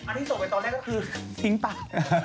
ที่ส่งไปตอนแรกก็คือทิ้งปาก